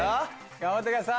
頑張ってください！